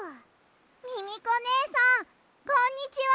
ミミコねえさんこんにちは！